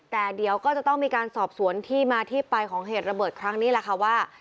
แต่เดี๋ยวก็จะต้องมีการสอบสวนที่มาที่ไปของเหตุระเบิดครั้งนี้แหละค่ะว่า